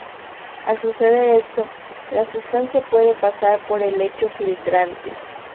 Al suceder esto la sustancia puede pasar por el lecho filtrante.